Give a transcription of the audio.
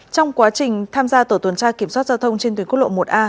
trong quá trình tham gia tổ tuần tra kiểm soát giao thông trên tuyến quốc lộ một a